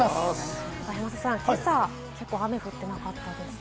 山里さん、今朝は結構、雨が降ってなかったですか？